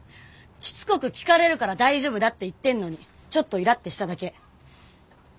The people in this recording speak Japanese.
しつこく聞かれるから大丈夫だって言ってんのにちょっとイラッてしただけ。